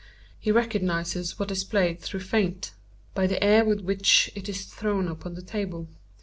He recognises what is played through feint, by the manner with which it is thrown upon the table.